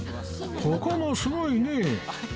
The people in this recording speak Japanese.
ここもすごいね